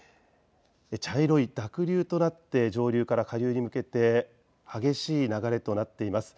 茶色い濁流となって上流から下流に向けて激しい流れとなっています。